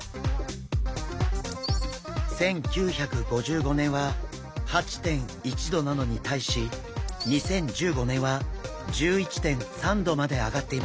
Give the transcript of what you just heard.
１９５５年は８．１℃なのに対し２０１５年は１１．３℃まで上がっています。